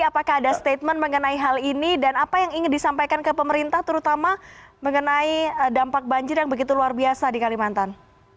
apakah ada statement mengenai hal ini dan apa yang ingin disampaikan ke pemerintah terutama mengenai dampak banjir yang begitu luar biasa di kalimantan